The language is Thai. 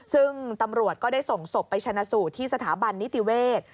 ซึ่งตำรวจก็ได้ส่งศพไปชนะสูตรที่สถาบันนิติเวศ